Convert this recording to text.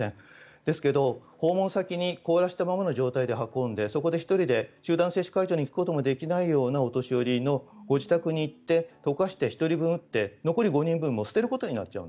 ですけど訪問先に凍らせた状態のまま運んでそこで１人で集団接種に行くこともできないようなお年寄りのご自宅に行って解かして１人分打って残り５人分は捨てることになる。